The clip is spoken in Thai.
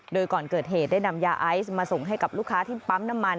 โดยก่อนเกิดเหตุได้นำยาไอซ์มาส่งให้กับลูกค้าที่ปั๊มน้ำมัน